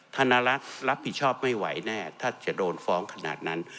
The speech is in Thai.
ธนลักษณ์รับผิดชอบไม่ไหวแน่ถ้าจะโดนฟ้องขนาดนั้น